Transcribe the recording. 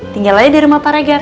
tinggal aja di rumah pak regar